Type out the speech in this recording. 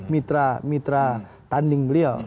mitra mitra tanding beliau